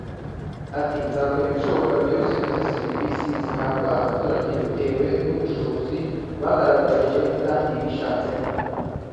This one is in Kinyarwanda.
Ati ”Nzakora ibishoboka byose noze serivise zihabwa abaturage bitewe n’ubu bushobozi bangaragarije kandi bishatsemo